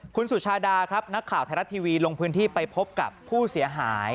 คุณสุชาดาครับนักข่าวไทยรัฐทีวีลงพื้นที่ไปพบกับผู้เสียหาย